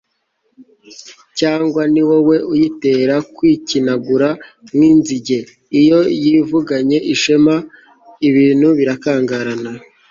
cyangwa ni wowe uyitera kwikinangura nk'inzige? iyo yivuganye ishema, ibintu birakangarana